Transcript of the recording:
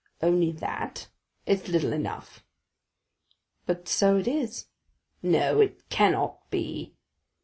"Only that? It's little enough." "But so it is." "No, it cannot be!"